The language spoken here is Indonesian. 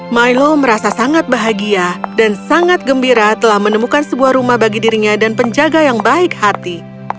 milo merasa sangat bahagia dan sangat gembira telah menemukan sebuah rumah bagi dirinya dan penjaga yang baik hati